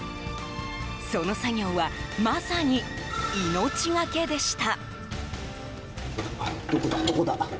その作業はまさに命懸けでした。